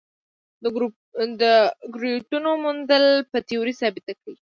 د ګرویټونو موندل به تیوري ثابته کړي.